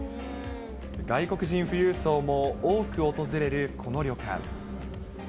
外国人富裕層も多く訪れるこの旅館。